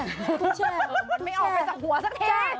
มันไม่ออกไปจากหัวสักที